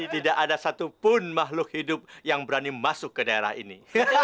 tidak ada satu pun mahluk hidup yang berani masuk ke daerah ini